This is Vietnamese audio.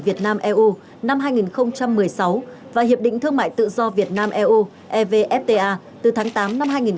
việt nam eu năm hai nghìn một mươi sáu và hiệp định thương mại tự do việt nam eu evfta từ tháng tám năm hai nghìn một mươi bảy